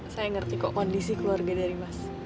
saya ngerti kok kondisi keluarga dari mas